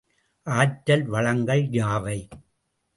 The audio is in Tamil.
ஆற்றல் வளங்கள் யாவை?